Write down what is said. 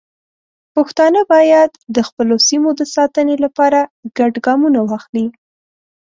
پښتانه باید د خپلو سیمو د ساتنې لپاره ګډ ګامونه واخلي.